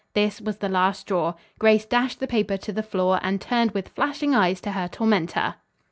This was the last straw. Grace dashed the paper to the floor, and turned with flashing eyes to her tormentor.